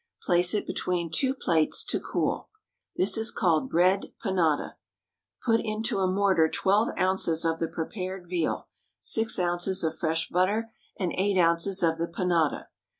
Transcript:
Place it between two plates to cool. This is called bread panada. Put into a mortar twelve ounces of the prepared veal, six ounces of fresh butter, and eight ounces of the panada.